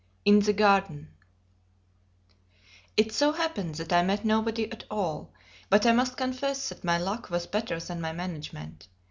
IN THE GARDEN It so happened that I met nobody at all; but I must confess that my luck was better than my management.